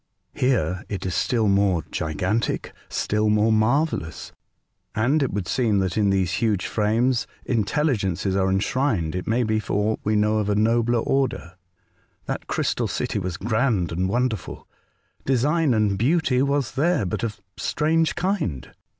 Here it is still more gigantic, — still more mar vellous ; and it would seem that in these huge frames intelligences are enshrined it may be, for aught we know, of a nobler order. That crystal city was grand and wonderful ; design and beauty was there, but of strange kind.